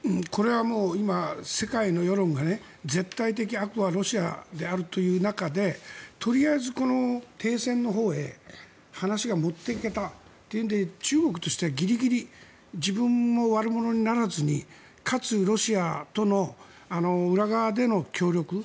これはもう今、世界の世論が絶対的悪はロシアであるという中でとりあえず、この停戦のほうへ話が持っていけたというので中国としてはギリギリ自分も悪者にならずにかつ、ロシアとの裏側での協力